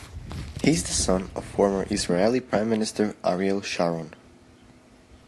He is the son of former Israeli Prime Minister Ariel Sharon.